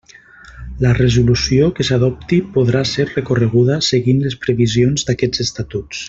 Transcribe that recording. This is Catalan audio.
La resolució que s'adopti podrà ser recorreguda seguint les previsions d'aquests Estatuts.